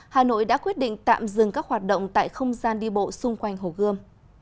hà nội đã quyết định tạm dừng các hoạt động tại không gian đi bộ xung quanh hồ gươm